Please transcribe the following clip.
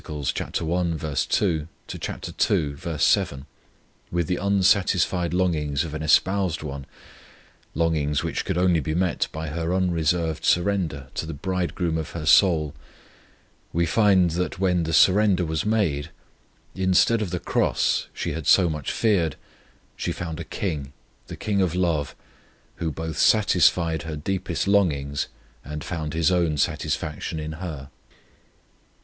(Cant. i. 2 ii. 7) with the unsatisfied longings of an espoused one longings which could only be met by her unreserved surrender to the Bridegroom of her soul we find that when the surrender was made, instead of the cross she had so much feared she found a King, the KING of LOVE, who both satisfied her deepest longings, and found His own satisfaction in her.